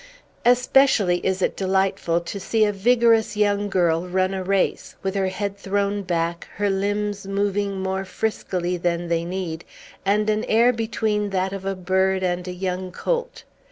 Especially is it delightful to see a vigorous young girl run a race, with her head thrown back, her limbs moving more friskily than they need, and an air between that of a bird and a young colt.